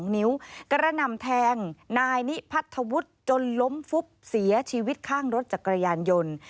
๒นิ้วกระหน่ำแทงนายนิพัทธวุฒิจนล้มฟุบเสียชีวิตข้างรถจักรยานยนต์